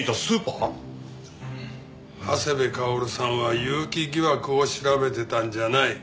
長谷部薫さんは結城疑惑を調べてたんじゃない。